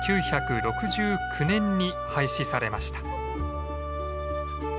１９６９年に廃止されました。